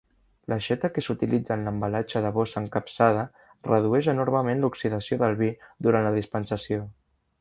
L'aixeta que s'utilitza en l'embalatge de bossa encapsada redueix enormement l'oxidació del vi durant la dispensació.